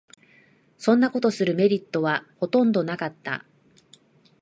そんなことするメリットはほとんどなかった